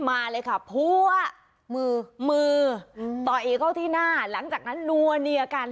มาเลยค่ะพัวมือมือมือต่อยเข้าที่หน้าหลังจากนั้นนัวเนียกัน